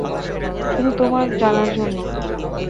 শুধু তোমাকে জানার জন্য।